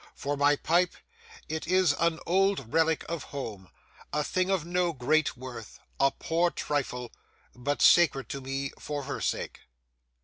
For my pipe, it is an old relic of home, a thing of no great worth, a poor trifle, but sacred to me for her sake.